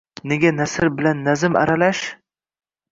Nega nasr bilan nazm aralash?